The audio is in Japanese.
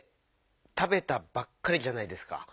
「たべた」ばっかりじゃないですか。